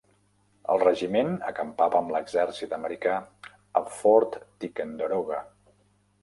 El regiment acampava amb l'exèrcit americà a Fort Ticonderoga.